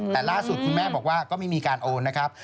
แต่ล่าสุดคุณแม่บอกว่าก็ไม่มีการโอนนะครับ